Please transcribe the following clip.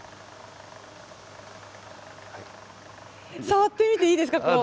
触ってみていいですかここ？